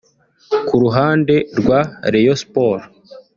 Ku ruhande rwa Rayon Sports